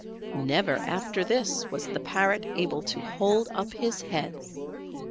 Never after this was the Parrot able to hold up his head.